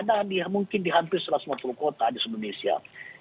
ada mungkin di hampir satu ratus lima puluh kota di indonesia